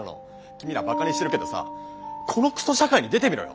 君らバカにしてるけどさこのクソ社会に出てみろよ！